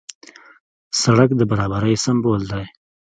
سړک د برابرۍ سمبول دی.